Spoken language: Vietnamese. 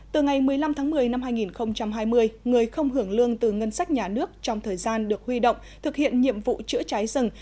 từ ngày một mươi năm tháng một mươi năm hai nghìn hai mươi người không hưởng lương từ ngân sách nhà nước trong thời gian được huy động thực hiện nhiệm vụ chữa cháy rừng